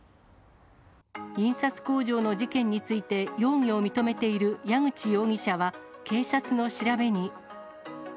印刷工場の事件について、容疑を認めている矢口容疑者は警察の調べに。